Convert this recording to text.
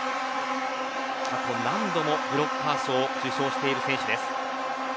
過去、何度もブロッカー賞を受賞している選手です。